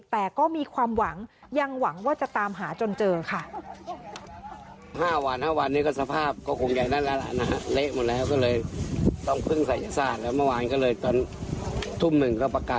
แต่ก็มีความหวังยังหวังว่าจะตามหาจนเจอค่ะ